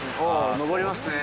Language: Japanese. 登りますね。